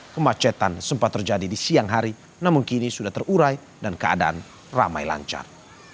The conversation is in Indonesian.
kemacetan sempat terjadi di siang hari namun kini sudah terurai dan keadaan ramai lancar